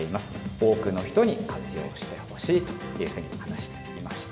多くの人に活用してほしいというふうに話していました。